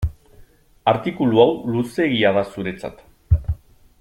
Artikulu hau luzeegia da zuretzat.